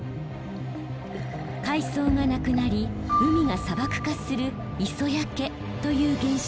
海藻がなくなり海が砂漠化する「磯焼け」という現象です。